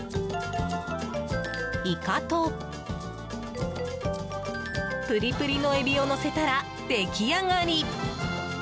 イカとプリプリのエビをのせたら出来上がり。